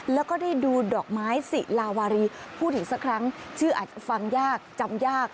แล้วก็ได้ดูดอกไม้สิลาวารีพูดอีกสักครั้งชื่ออาจจะฟังยากจำยาก